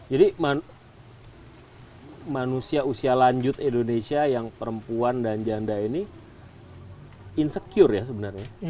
jadi manusia usia lanjut indonesia yang perempuan dan janda ini insecure ya sebenarnya